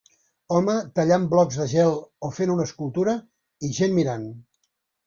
Home tallant blocs de gel o fent una escultura i gent mirant.